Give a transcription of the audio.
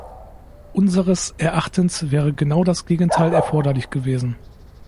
Unseres Erachtens wäre genau das Gegenteil erforderlich gewesen.